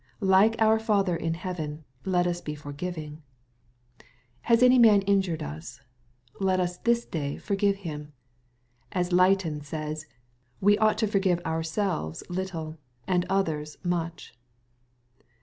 Like our Father in heaven, let us be forgiving. Has any man injured us ? Let us this day forgive him. As Leighton says ^' we ought to forgive ourselves little, and others much."